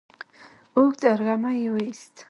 اوږد ارږمی يې وايست،